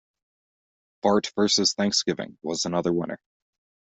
'Bart versus Thanksgiving' was another winner.